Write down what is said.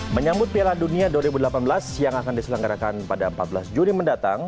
menyambut piala dunia dua ribu delapan belas yang akan diselenggarakan pada empat belas juni mendatang